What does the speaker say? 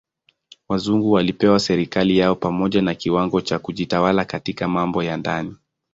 Wazungu walipewa serikali yao pamoja na kiwango cha kujitawala katika mambo ya ndani.